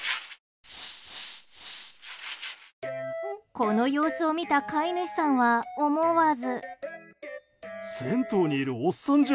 この様子を見た飼い主さんは思わず。